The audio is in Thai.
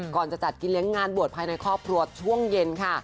ก่อนจะจัดกินเลี้ยงงานบวชภายในครอบครัวช่วงเย็นค่ะ